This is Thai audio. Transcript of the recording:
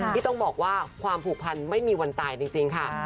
ที่ต้องบอกว่าความผูกพันไม่มีวันตายจริงค่ะ